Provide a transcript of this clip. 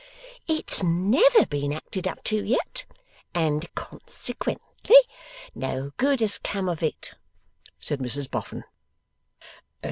'It's never been acted up to yet, and, consequently, no good has come of it,' said Mrs Boffin.